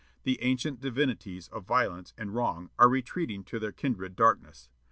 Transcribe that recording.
The ancient divinities of violence and wrong are retreating to their kindred darkness.